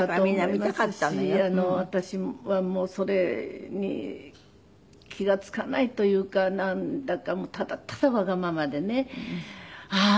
そうだと思いますし私はそれに気が付かないというかなんだかただただわがままでねああ